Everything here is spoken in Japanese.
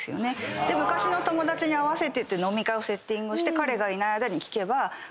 昔の友達に会わせてって飲み会をセッティングして彼がいない間に聞けばホント。